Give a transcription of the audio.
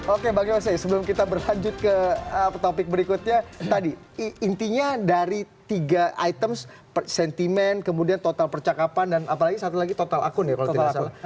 oke bang yose sebelum kita berlanjut ke topik berikutnya tadi intinya dari tiga items sentimen kemudian total percakapan dan apalagi satu lagi total akun ya kalau tidak salah